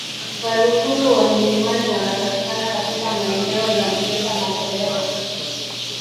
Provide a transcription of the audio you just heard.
Waluguru wa milimani wanapatikana katika maeneo ya Mgeta na Kolero